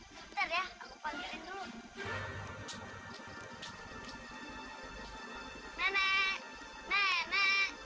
setti kamu dari mana saja